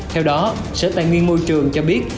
theo đó sở tài nguyên môi trường cho biết